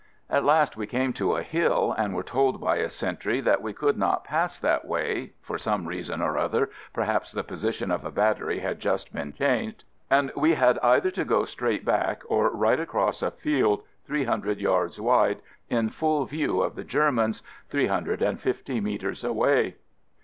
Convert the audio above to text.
At last we came to a hill and were told by a sentry that we could not pass that way (for some reason or other — perhaps the position of a battery had just been changed), and we had either to go straight back or right across a field three hundred yards wide in full view of the Germans, three hundred and fifty metres away.